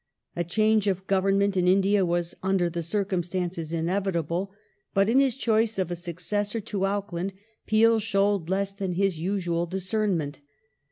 A change of Government in India was, under the circumstances, inevitable, but in his choice of a successor to Auckland Peel showed less than his usual discernment.